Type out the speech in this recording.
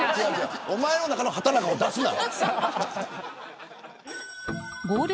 お前の中の畠中を出すな。